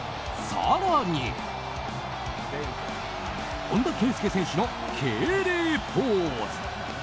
更に、本田圭佑選手の敬礼ポーズ。